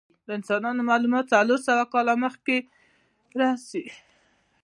د انسانانو معلومات څلور سوه کاله مخکې رسی.